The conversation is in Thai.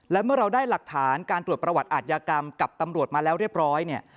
และเมื่อเราได้หลักฐานการตรวจประวัติอาทยากรรมกับตำรวจมาแล้วเรียบร้อยเนี่ย